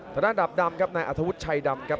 สถานดับดำครับนายอธวุธชัยดำครับ